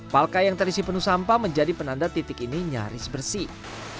palka yang terisi penuh sampah menjadi penanda titik ini nyaris bersih